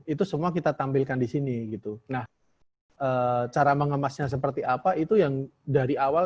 itu semua kita tampilkan di sini gitu nah cara mengemasnya seperti apa itu yang dari awal